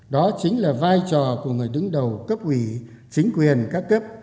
đó chính là vai trò của người đứng đầu cấp ủy chính quyền các cấp